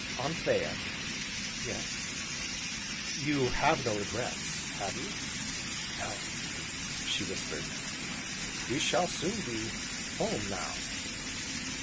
"Anthea." "Yes?" "You have no regrets, have you?" "No," she whispered. "We shall soon be home, now!"